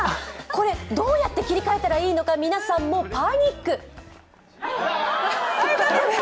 これ、どうやって切り替えたらいいのか、皆さん、もうパニック！